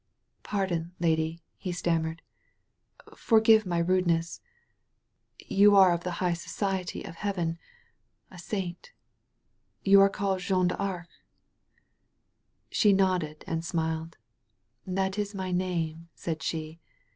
"Pardon, lady,'* he stammered. "Forgive my rude ness. ' You are of ^the high society of heaven, a saint. You are called Jeanne d'Arc?" She nodded and smiled. "That is my name," said she.